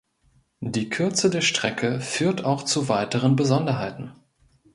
Die Kürze der Strecke führt auch zu weiteren Besonderheiten.